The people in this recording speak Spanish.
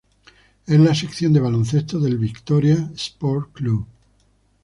Es la sección de baloncesto del Vitória Sport Clube.